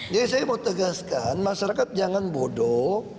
jadi saya mau tegaskan masyarakat jangan bodoh